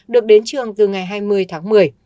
được đến trường từ ngày hai mươi tháng một mươi